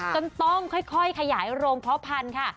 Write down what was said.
จนต้องค่อยขยายโรงเพาะพันธุ์ค่ะ